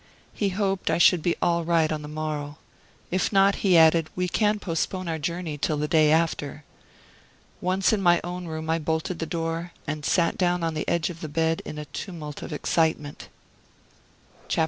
He hoped I should be all right on the morrow if not, he added, we can postpone our journey till the day after. Once in my own room I bolted the door, and sat down on the edge of the bed in a tumult of excitement.